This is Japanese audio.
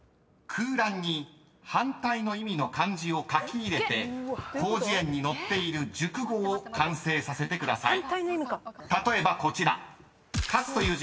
［空欄に反対の意味の漢字を書き入れて広辞苑に載っている熟語を完成させてください］